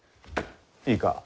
いいか？